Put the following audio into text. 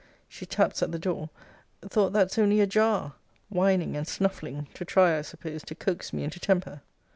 She taps at the door, thought that's only a jar, whining and snuffling, to try, I suppose, to coax me into temper.